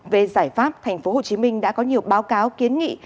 về giải pháp tp hcm đã có nhiều báo cáo kiến nghị